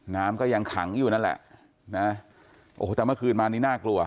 น้ำก็ยังขังอยู่นั่นแหละนะโอ้โหแต่เมื่อคืนมานี้น่ากลัว